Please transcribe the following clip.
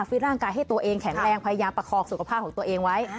ร่างกายให้ตัวเองแข็งแรงพยายามประคองสุขภาพของตัวเองไว้